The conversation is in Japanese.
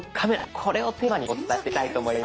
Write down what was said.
これをテーマにお伝えしていきたいと思います。